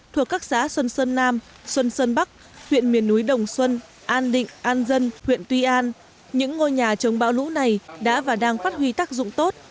thuộc các xã xuân sơn nam xuân sơn bắc huyện miền núi đồng xuân an định an dân huyện tuy an những ngôi nhà chống bão lũ này đã và đang phát huy tác dụng tốt